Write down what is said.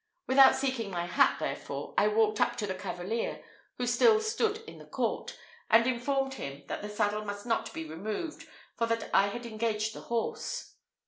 Without seeking my hat, therefore, I walked up to the cavalier, who still stood in the court, and informed him that the saddle must not be removed, for that I had engaged the horse.